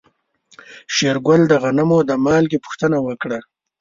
شېرګل د غنمو د مالکيت پوښتنه وکړه.